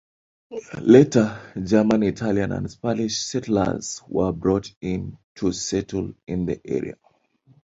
Later, German, Italian, and Spanish settlers were brought in to settle in the area.